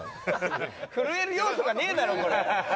震える要素がねえだろこれ。